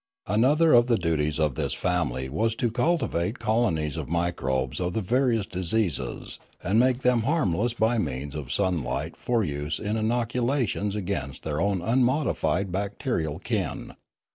Another of the duties of this family was to cultivate colonies of microbes of the various diseases and make them harmless by means of sunlight for use in inocula tions against their own unmodified bacterial kin.